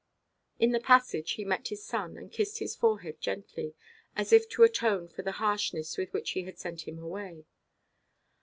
In the passage he met his son, and kissed his forehead gently, as if to atone for the harshness with which he had sent him away.